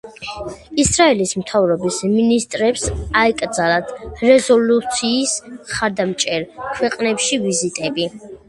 ისრაელის მთავრობის მინისტრებს აეკრძალათ რეზოლუციის მხარდამჭერ ქვეყნებში ვიზიტები.